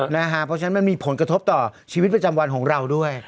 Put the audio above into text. เพราะฉะนั้นมันมีผลกระทบต่อชีวิตประจำวันของเราด้วย